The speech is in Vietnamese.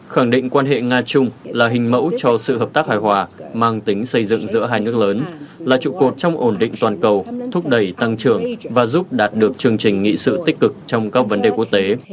khẳng định quan hệ nga chung là hình mẫu cho sự hợp tác hài hòa mang tính xây dựng giữa hai nước lớn là trụ cột trong ổn định toàn cầu thúc đẩy tăng trưởng và giúp đạt được chương trình nghị sự tích cực trong các vấn đề quốc tế